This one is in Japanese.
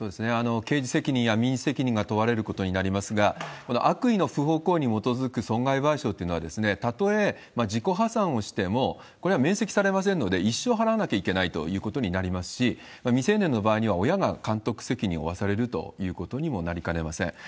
刑事責任や民事責任が問われることになりますが、この悪意の不法行為に基づく損害賠償というのは、たとえ自己破産をしても、これは免責されませんので、一生払わなきゃいけないということになりますし、未成年の場合には、親が監督責任を負わされるということにもなりかねません。